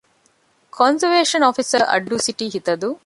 ކޮންޒަވޭޝަން އޮފިސަރ - އައްޑޫ ސިޓީ ހިތަދޫ